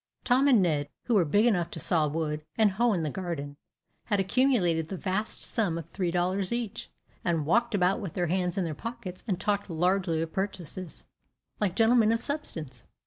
Tom and Ned, who were big enough to saw wood, and hoe in the garden, had accumulated the vast sum of three dollars each, and walked about with their hands in their pockets, and talked largely of purchases, like gentlemen of substance.